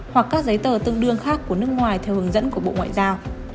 hoặc các giấy tờ tương đương khác của nước ngoài theo hướng dẫn của bộ ngoại giao